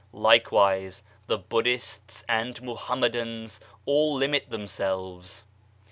Likewise the Buddhists and Mohammedans ; all limit themselves.